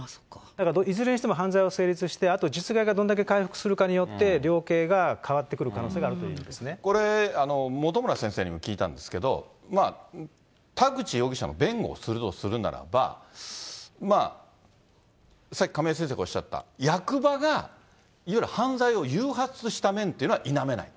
だから、いずれにしても犯罪は成立して、あと実害がどれだけ回復するかによって量刑が変わってくる可能性これ、本村先生にも聞いたんですけれども、田口容疑者の弁護をするとするならば、さっき亀井先生がおっしゃった、役場がいわゆる犯罪を誘発した面は否めない。